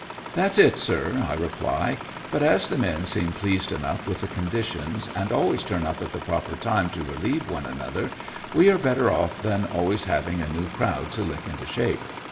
" That's it, sir," I reply, " but as the men seem pleased enough with the conditions, and always turn up at the proper time to relieve one another, we are better off than always having a new crowd to lick into shape."